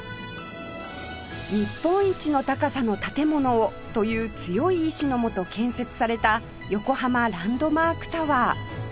「日本一の高さの建物を」という強い意志のもと建設された横浜ランドマークタワー